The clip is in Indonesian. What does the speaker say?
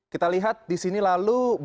kita lihat di sini lalu